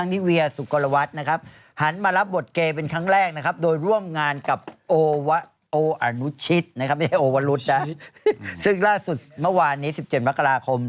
เดี๋ยวช่วงหน้ามาดูดีกว่า